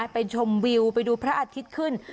ชมวิวไปดูพระอาทิตย์ขึ้น